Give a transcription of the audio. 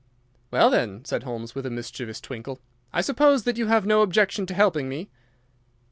"Well, then," said Holmes, with a mischievous twinkle, "I suppose that you have no objection to helping me?"